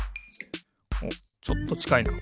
おっちょっとちかいな。